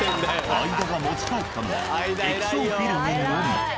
相田が持ち帰ったのは液晶フィルムのみ。